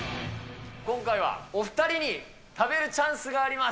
今回はお２人に食べるチャンスがあります。